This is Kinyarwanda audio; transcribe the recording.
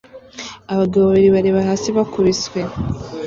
Abagabo babiri bareba hasi bakubiswe